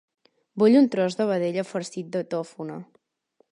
Vull un tros de vedella farcit de tòfona.